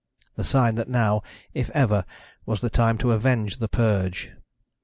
The sign that now, if ever, was the time to avenge the purge.